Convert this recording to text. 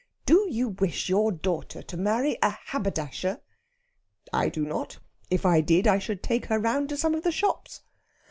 "Do you wish your daughter to marry a haberdasher?" "I do not. If I did, I should take her round to some of the shops."